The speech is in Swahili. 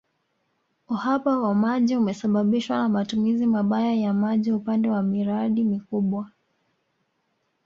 Uhaba wa maji umesababishwa na matumizi mabaya ya maji upande wa miradi mikubwa